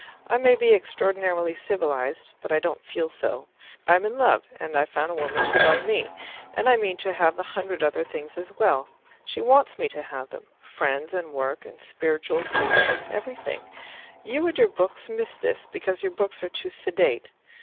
I may be extraordinarily civilized, but I don't feel so; I'm in love, and I've found a woman to love me, and I mean to have the hundred other things as well. She wants me to have them friends and work, and spiritual freedom, and everything. You and your books miss this, because your books are too sedate.